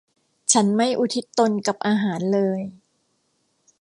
ฉันไม่อุทิศตนกับอาหารเลย